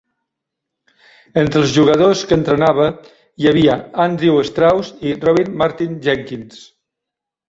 Entre els jugadors que entrenava hi havia Andrew Strauss i Robin Martin-Jenkins.